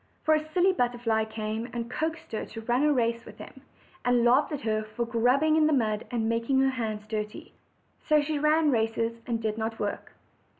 For a silly butterfly came and coaxed her to run a race with him, and laughed at her for grubbing in the ground, and making her hands dirty. So she ran races, and did not work.